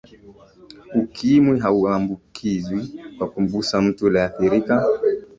ukimwi hauambukizwi kwa kumgusa mtu aliyeathirika